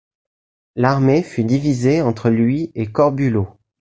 L'armée fut divisée entre lui et Corbulo.